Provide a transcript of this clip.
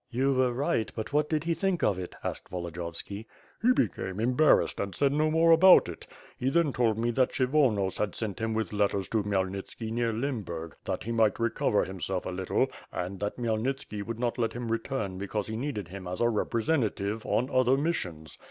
'' "You were right, but what did he think of it,'^ asked Volo diyovski. "He became embarrassed and said no more about it. He then told me that Kshyvonos had sent him with letters to Khymelnitski near Lemburg, that he might recover himself a little; and that Khmyelnitski would not let him return be cause he needed him as a representative on other missions.